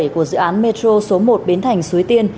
của dự án metro số một bến thành xuối tiên